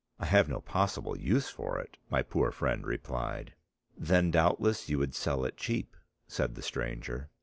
"I have no possible use for it," my poor friend replied. "Then doubtless you would sell it cheap," said the stranger.